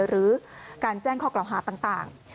หรือการแจ้งข้อกล่าวหาต่าง